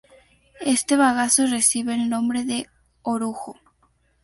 Este bagazo recibe el nombre de orujo.